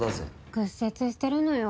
屈折してるのよ。